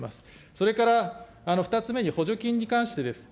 それから２つ目の補助金に関してです。